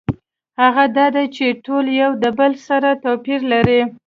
هغه دا دی چې ټول یو د بل سره توپیر لري.